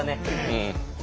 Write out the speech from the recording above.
うん。